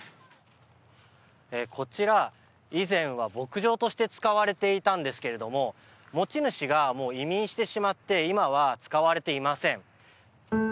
こちら、以前は牧場として使われていたんですけれども持ち主が移民してしまって今は使われていません。